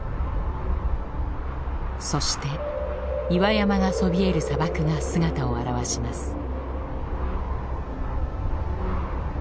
そして岩山がそびえる砂漠が姿を現します。